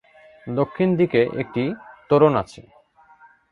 দক্ষিণ দিকে একটি তোরণ আছে।